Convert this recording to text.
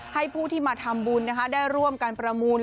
ผู้ที่มาทำบุญได้ร่วมการประมูล